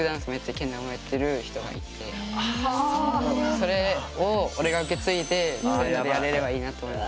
それをオレが受け継いでそういうのでやれればいいなと思って。